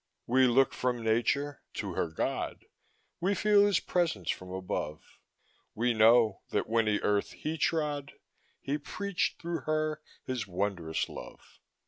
We look from Nature to her God; We feel his presence from above; We know that when the earth he trod, He preached through her his wondrous love.